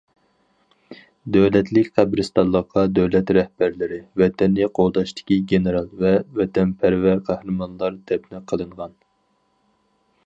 دۆلەتلىك قەبرىستانلىققا دۆلەت رەھبەرلىرى، ۋەتەننى قوغداشتىكى گېنېرال ۋە ۋەتەنپەرۋەر قەھرىمانلار دەپنە قىلىنغان.